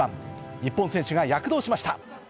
日本選手が躍動しました。